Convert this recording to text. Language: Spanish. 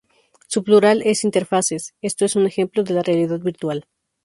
Su plural es interfaces. Esto es un ejemplo de la realidad virtual.